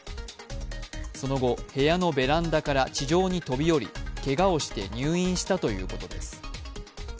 その後、部屋のベランダから地上に飛び降りけがをして入院したということです。